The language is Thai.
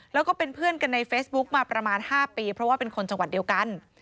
แล้วก็เป็นเพื่อนกันในเฟซบุ๊กมาประมาณ๕ปีเพราะว่าเป็นคนจังหวัดเดียวกัน